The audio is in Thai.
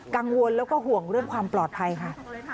กังวลแล้วก็ห่วงเรื่องความปลอดภัยค่ะ